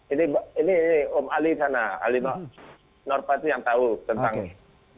ini om ali sana ali norpa itu yang tahu tentang